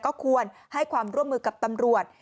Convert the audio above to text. ก็ควรให้ความร่วมมือกับตำรวจ